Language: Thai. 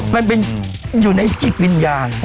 มันเป็นอยู่ในจิตวิญญาณ